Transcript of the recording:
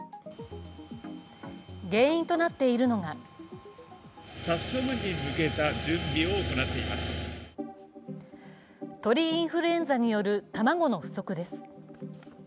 原因となっているのが鳥インフルエンザによる卵の不足です。